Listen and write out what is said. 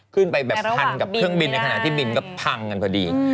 ขึ้นไปแบบพันกับเครื่องบินในขณะที่บินก็พังกันพอดี